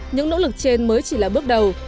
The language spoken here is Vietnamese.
những nỗ lực trên mới chỉ là bước đầu